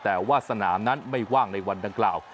แต่ว่าสนามนั้นไม่ว่างในวันดังกล่าว